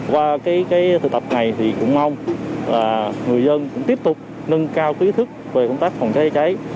qua cái thực tập này thì cũng mong là người dân cũng tiếp tục nâng cao kỹ thức về công tác phòng cháy cháy